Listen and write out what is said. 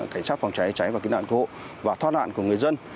thảnh sát phòng cháy cháy và cứu nạn của hộ và thoát nạn của người dân